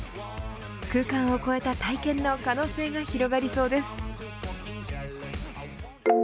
空間を超えた体験の可能性が広がりそうです。